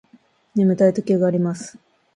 眠たい時があります